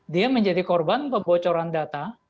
dia menjadi korban pembocoran data